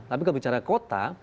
tapi kalau bicara kota